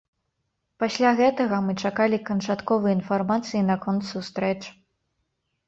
Пасля гэтага мы чакалі канчатковай інфармацыі наконт сустрэч.